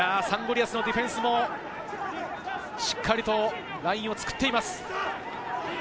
リアスのディフェンスもしっかりとラインを作っています。